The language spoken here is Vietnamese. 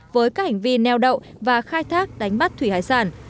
với các hành vi neo đậu và khai thác đánh bắt thủy hải sản